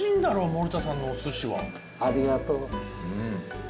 森田さんのお寿司はありがとう